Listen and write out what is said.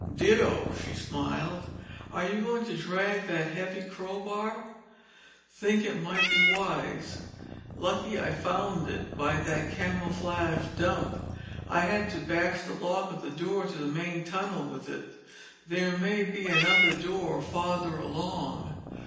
"Ditto," she smiled. "Are you going to drag that heavy crowbar?" "Think it might be wise. Lucky I found it by that camouflaged dump. I had to bash the lock of the door to the main tunnel with it. And there may be another door farther along."